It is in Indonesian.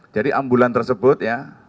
jadi ambulan tersebut ya